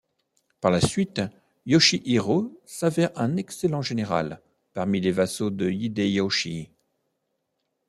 Par la suite, Yoshihiro s'avère un excellent général parmi les vassaux de Hideyoshi.